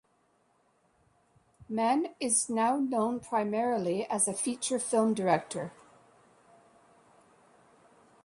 Mann is now known primarily as a feature film director.